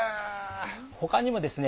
他にもですね